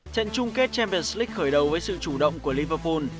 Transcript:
trận chung kết champions league khởi đầu với sự chủ động của liverpool